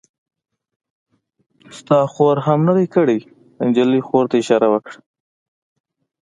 ستا خور هم نه دی کړی؟ د نجلۍ خور ته یې اشاره وکړه.